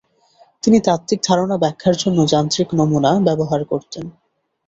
তিনি তাত্ত্বিক ধারণা ব্যাখ্যার জন্য যান্ত্রিক নমুনা ব্যবহার করতেন।